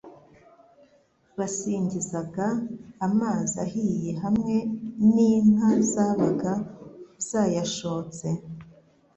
Basingizaga amazi ahiye hamwe n'inka zabaga zayashotse.